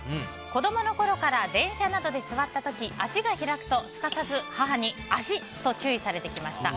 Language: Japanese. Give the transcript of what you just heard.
子供のころから電車などで座った時足が開くとすかさず母に「足！」と注意されてきました。